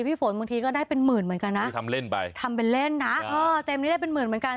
พี่ฝนบางทีก็ได้เป็นหมื่นเหมือนกันนะทำเล่นไปทำเป็นเล่นนะเออเต็มนี้ได้เป็นหมื่นเหมือนกัน